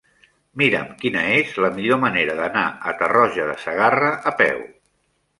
Mira'm quina és la millor manera d'anar a Tarroja de Segarra a peu.